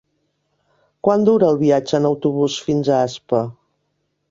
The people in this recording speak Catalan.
Quant dura el viatge en autobús fins a Aspa?